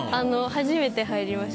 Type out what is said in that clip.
初めて入りました。